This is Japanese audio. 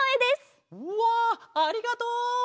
うわありがとう！